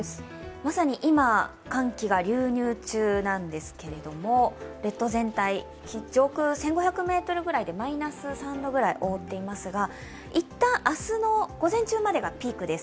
まさに今、寒気が流入中なんですけれども列島全体、上空１５００ｍぐらいでマイナス３度ぐらい覆っていますが、いったん明日の午前中までがピークです。